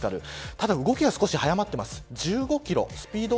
ただ動きは少しだけ速まっています。